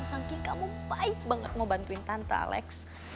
sangking kamu baik banget mau bantuin tante alex